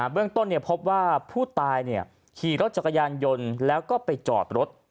เบื้องต้นพบว่าผู้ตายขี่รถจักรยานยนต์แล้วก็ไปจอดรถ